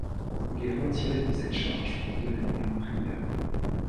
Il est retiré de cette charge pour devenir prieur.